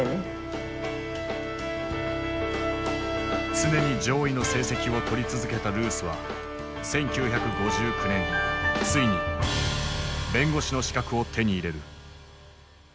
常に上位の成績を取り続けたルースは１９５９年ついに弁護士の資格を手に入れる。